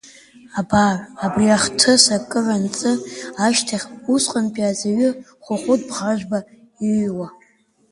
Абар, абри ахҭыс акыр анҵы ашьҭахь, усҟантәи аҵаҩы Хәыхәыт Бӷажәба ииҩуа…